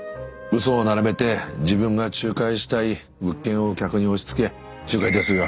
嘘を並べて自分が仲介したい物件を客に押しつけ仲介手数料